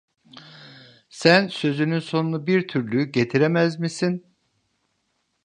Sen sözünün sonunu bir türlü getiremez misin?